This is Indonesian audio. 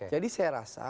jadi saya rasa